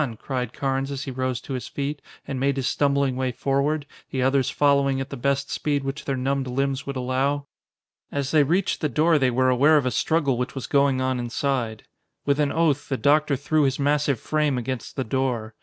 cried Carnes as he rose to his feet, and made his stumbling way forward, the others following at the best speed which their numbed limbs would allow. As they reached the door they were aware of a struggle which was going on inside. With an oath the doctor threw his massive frame against the door.